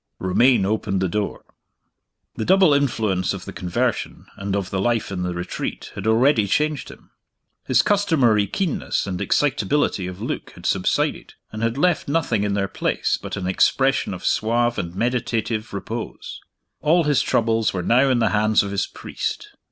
Romayne opened the door. The double influence of the conversion, and of the life in The Retreat, had already changed him. His customary keenness and excitability of look had subsided, and had left nothing in their place but an expression of suave and meditative repose. All his troubles were now in the hands of his priest.